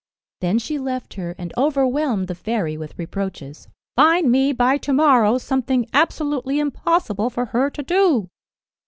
Then she left her, and overwhelmed the fairy with reproaches. "Find me, by to morrow, something absolutely impossible for her to do."